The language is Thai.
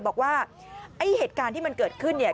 บอกว่าไอ้เหตุการณ์ที่มันเกิดขึ้นเนี่ย